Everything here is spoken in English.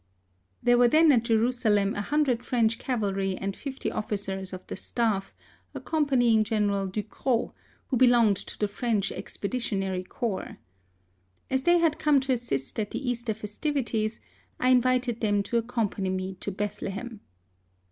There were then at Jerusalem a hundred French cavalry and fifty officers of the stafi" accompanying General Ducros, who belonged to the French Expeditionary Corps. As they had come to assist at the Easter festivities, I invited them to accompany me to Bethlehem.